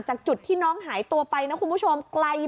ป้าของน้องธันวาผู้ชมข่าวอ่อน